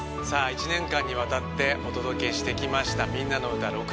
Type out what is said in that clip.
さあ一年間にわたってお届けしてきました「みんなのうた６０」